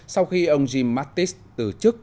sau khi ông jim mattis từ chức